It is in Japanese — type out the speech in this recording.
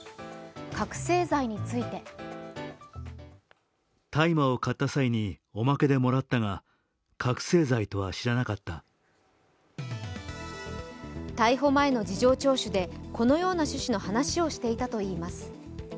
覚醒剤について逮捕前の事情聴取でこのような趣旨の話をしていたといいます。